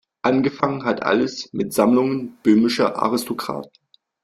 Angefangen hat alles mit Sammlungen böhmischer Aristokraten.